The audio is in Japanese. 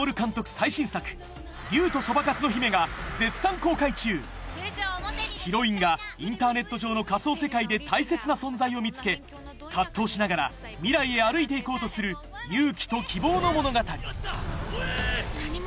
最新作『竜とそばかすの姫』が絶賛公開中ヒロインがインターネット上の仮想世界で大切な存在を見つけ葛藤しながら未来へ歩いて行こうとする勇気と希望の物語何者？